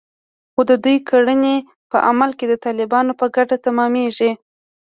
خو د دوی کړنې په عمل کې د طالبانو په ګټه تمامېږي